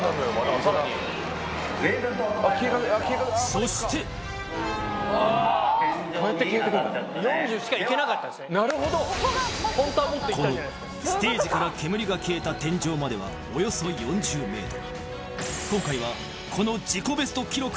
そしてこのステージから煙が消えた天井まではおよそ４０ｍ